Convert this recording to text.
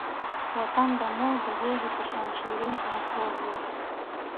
وطن د مور د غېږې په شان شیرین او خوږ وی.